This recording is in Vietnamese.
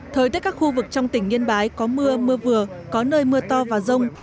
thời tiết các khu vực trong tỉnh yên bái có mưa mưa vừa có nơi mưa to và rông